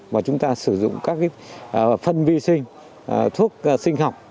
và chúng ta sử dụng các phân vi sinh thuốc sinh học